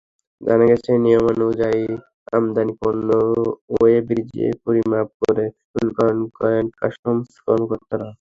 জানা গেছে, নিয়মানুযায়ী আমদানি পণ্য ওয়ে ব্রিজে পরিমাপ করে শুল্কায়ন করেন কাস্টমস কর্মকর্তারা।